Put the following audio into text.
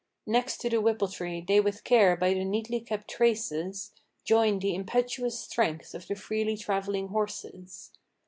Next to the whipple tree they with care by the neatly kept traces Joined the impetuous strength of the freely travelling horses.